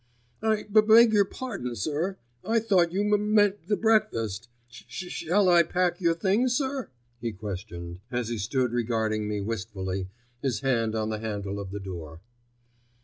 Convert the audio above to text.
"I b b beg pardon, sir. I thought you m m meant the breakfast. S s shall I pack your things, sir?" he questioned, as he stood regarding me wistfully, his hand on the handle of the door.